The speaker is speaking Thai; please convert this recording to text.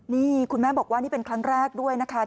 นี่คุณแม่บอกว่านี่เป็นครั้งแรกด้วยนะคะ